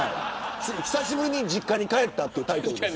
久しぶりに実家に帰ったというタイトルですよ。